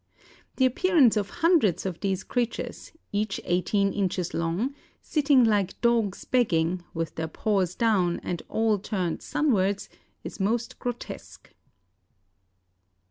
The appearance of hundreds of these creatures, each eighteen inches long, sitting like dogs begging, with their paws down and all turned sunwards, is most grotesque."